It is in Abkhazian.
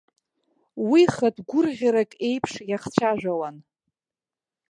Уи хатә гәырӷьарак еиԥш иахцәажәауан.